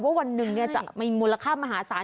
วันหนึ่งจะมีมูลค่ามหาศาล